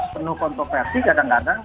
penuh kontroversi kadang kadang